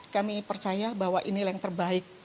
kami percaya bahwa inilah yang terbaik